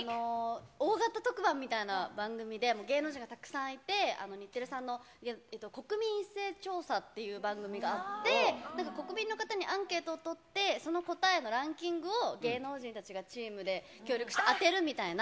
大型特番みたいな番組で、芸能人がたくさんいて、日テレさんの国民一斉調査っていうのがあって、なんか国民の方にアンケートを取ってその答えのランキングを、芸能人たちがチームで協力して当てるみたいな。